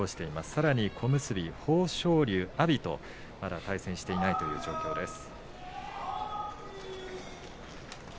さらに小結豊昇龍、阿炎と、まだ対戦していない状況です。